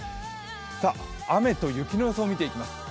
雨と雪の予想を見ていきます。